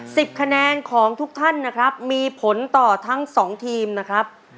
คะแนนของทุกท่านนะครับมีผลต่อทั้งสองทีมนะครับ